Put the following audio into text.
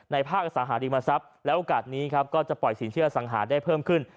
ภาคอสังหาริมทรัพย์แล้วโอกาสนี้ครับก็จะปล่อยสินเชื่อสังหาได้เพิ่มขึ้น